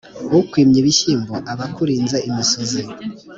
“ukwimye ibishyimbo aba akurinze imisuzi”